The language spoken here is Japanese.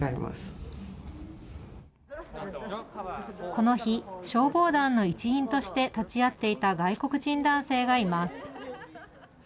この日、消防団の一員として立ち会っていた外国人男性がいます。